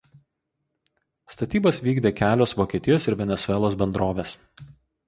Statybas vykdė kelios Vokietijos ir Venesuelos bendrovės.